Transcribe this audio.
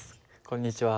こんにちは。